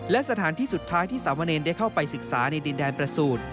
และสถานที่สุดท้ายที่สามเณรได้เข้าไปศึกษาในดินแดนประสูจน์